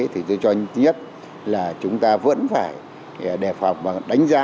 thì tôi cho nhất là chúng ta vẫn phải đề phòng và đánh giá